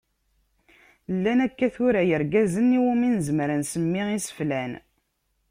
Llan akka tura yirgazen iwumi nezmer ad nsemmi iseflan.